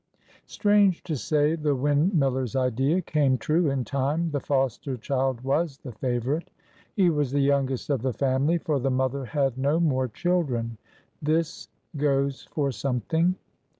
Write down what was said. STRANGE to say, the windmiller's idea came true in time,—the foster child was the favorite. He was the youngest of the family, for the mother had no more children. This goes for something.